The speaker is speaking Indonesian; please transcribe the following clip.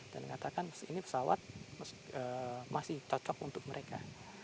dan mengatakan ini pesawat masih cocok untuk mereka